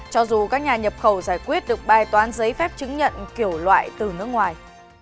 cho dù các nhà nhập khẩu giải quyết được bài toán giấy phép chứng nhận kiểu loại từ nước ngoài